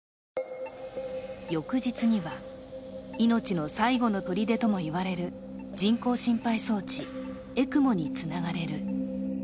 翌日には命の最後のとりでとも言われる人工心肺装置ＥＣＭＯにつながれる。